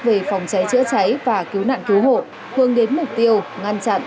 về phòng cháy chữa cháy và cứu nạn cứu hộ hướng đến mục tiêu ngăn chặn